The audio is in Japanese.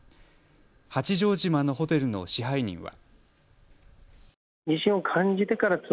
八丈島のホテルの支配人は。